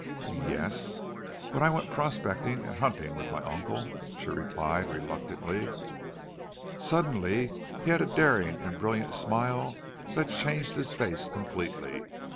"Ye es, when I went prospecting and hunting with my uncle," she replied, reluctantly. Suddenly he had a daring and brilliant smile that changed his face completely.